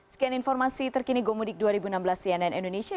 sekian informasi terkini gomudik dua ribu enam belas cnn indonesia